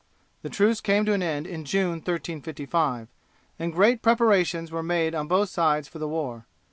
The truce came to an end in June, 1355, and great preparations were made on both sides for the war.